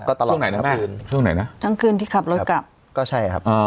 ก็ตลอดช่วงไหนนะครับคืนช่วงไหนนะทั้งคืนที่ขับรถกลับก็ใช่ครับอ๋อ